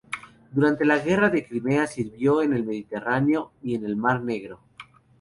Durante la Guerra de Crimea sirvió en el Mediterráneo y en el Mar Negro.